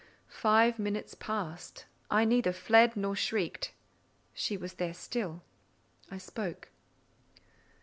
Five minutes passed. I neither fled nor shrieked. She was there still. I spoke.